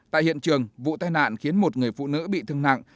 tại hiện trường vụ tai nạn khiến một người phụ nữ bị thương nặng